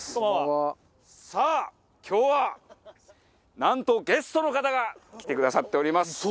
さあ今日はなんとゲストの方が来てくださっております！